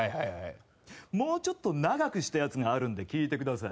もうちょっと長くしたやつがあるんで聞いてください。